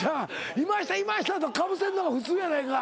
いましたいましたとかかぶせんのが普通やないか。